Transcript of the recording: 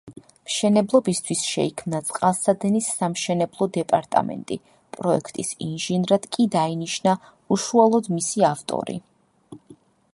მშენებლობისთვის შეიქმნა „წყალსადენის სამშენებლო დეპარტამენტი“, პროექტის ინჟინრად კი დაინიშნა უშუალოდ მისი ავტორი.